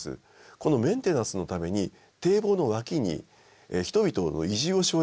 このメンテナンスのために堤防の脇に人々の移住を奨励するんです。